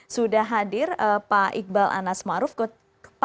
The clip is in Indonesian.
sudah hadir pak iqbal anas maruf kepala humas bpjs kesehatan